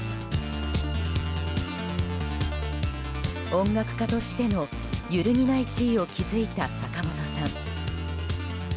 音楽家としての揺るぎない地位を築いた坂本さん。